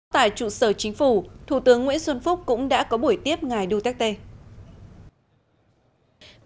tại trụ sở chính phủ thủ tướng nguyễn xuân phúc cũng đã có buổi tiếp ngày đô téc tê